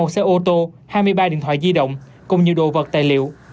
một xe ô tô hai mươi ba điện thoại di động cùng nhiều đồ vật tài liệu